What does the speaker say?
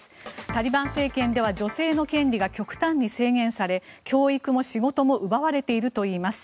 タリバン政権では女性の権利が極端に制限され教育も仕事も奪われているといいます。